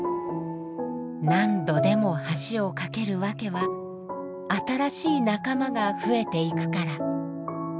何度でも橋をかける訳は新しい仲間が増えていくから。